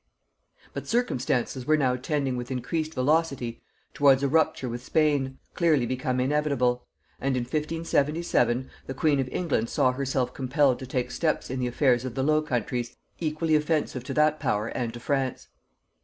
But circumstances were now tending with increased velocity towards a rupture with Spain, clearly become inevitable; and in 1577 the queen of England saw herself compelled to take steps in the affairs of the Low Countries equally offensive to that power and to France.